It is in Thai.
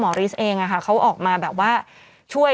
หมอฤทธิ์เองก็ต้องออกมาช่วย